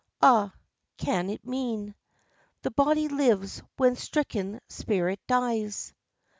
Ah! can it mean The body lives when stricken spirit dies?